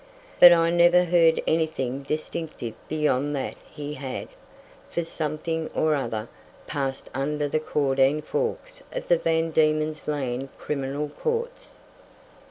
But I never heard anything distinctive beyond that he had, for something or other, passed under the Caudine Forks of the Van Diemen's Land Criminal Courts.